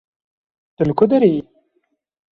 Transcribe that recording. Tu li ku derê yî?